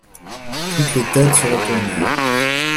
Toutes les têtes se retournèrent.